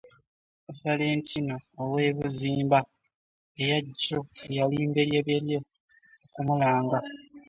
Valentino ow'e Buzimba eya jjo yali mberyeberye okumulanga.